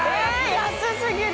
安すぎる。